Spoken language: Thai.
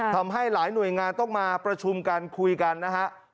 ทำให้หลายหน่วยงานต้องมาประชุมกันคุยกันนะฮะ